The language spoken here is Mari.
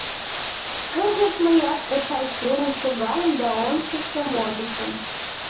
Кызыт мыят кочай семын шогальым да ончышым-ончышым...